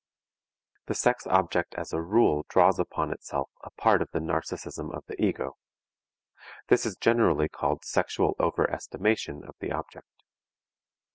The sex object as a rule draws upon itself a part of the narcism of the ego. This is generally called "sexual over estimation" of the object.